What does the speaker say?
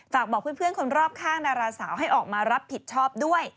บอกเพื่อนคนรอบข้างดาราสาวให้ออกมารับผิดชอบด้วย